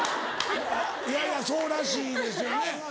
いやいやそうらしいですよね。